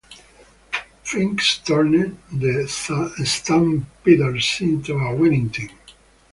Finks turned the Stampeders into a winning team.